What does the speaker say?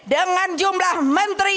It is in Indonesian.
dengan jumlah menteri